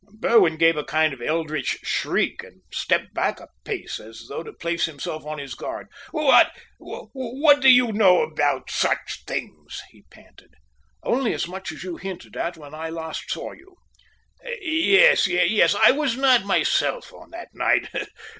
Berwin gave a kind of eldritch shriek and stepped back a pace, as though to place himself on his guard. "What what do you know about such such things?" he panted. "Only so much as you hinted at when I last saw you." "Yes, yes! I was not myself on that night.